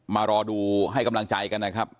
มารอดูให้กำลังใจกัน